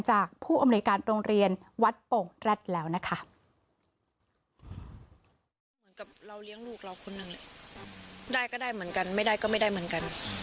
ผู้อำนวยการโรงเรียนวัดโป่งแร็ดแล้วนะคะ